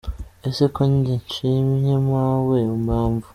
Ese ko njye nshimye mpawe impamvu